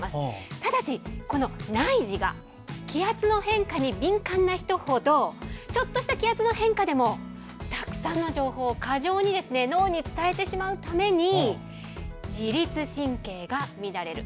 ただし、この内耳が気圧の変化に敏感な人ほどちょっとした気圧の変化でもたくさんの情報を過剰に脳に伝えてしまうために自律神経が乱れる。